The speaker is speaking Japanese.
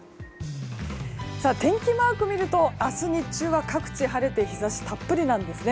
天気マークを見ると、各地晴れて日差したっぷりなんですね。